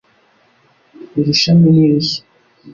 Iri shami ni rishya,